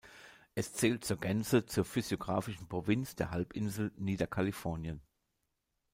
Es zählt zur Gänze zur physiographischen Provinz der Halbinsel Niederkalifornien.